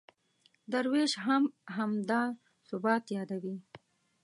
درویش هم همدا ثبات یادوي.